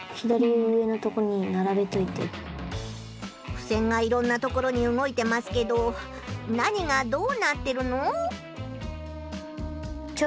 ふせんがいろんな所に動いてますけど何がどうなってるの！？